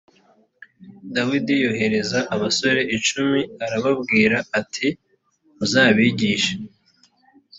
dawidi yohereza abasore icumi arababwira ati’muzabigishe.